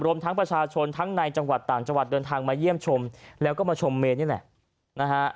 รวมทั้งประชาชนทั้งในจังหวัดต่างจังหวัดเดินทางมาเยี่ยมชมแล้วก็มาชมเมนนี่แหละนะฮะ